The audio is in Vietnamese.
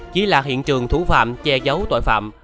chỉ là hiện trường thủ phạm che giấu tội phạm